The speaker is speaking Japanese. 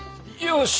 よし！